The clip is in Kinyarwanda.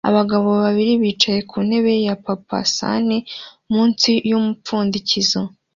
Abagabo babiri bicaye ku ntebe ya papasan munsi yumupfundikizo